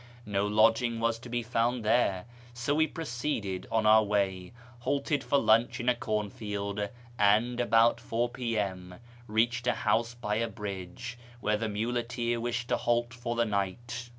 No lodging was to be found there, so we proceeded on our way, halted for lunch in a corn field, and, about 4 p.m., reached a house by a bridge, where the muleteer wished to halt for the night.